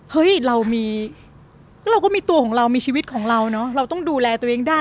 เฮ้ยเรามีเราก็มีตัวของเรามีชีวิตของเราเนอะเราต้องดูแลตัวเองได้